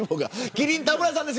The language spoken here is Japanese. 麒麟、田村さんです